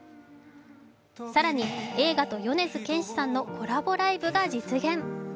更に、映画と米津玄師さんのコラボライブが実現。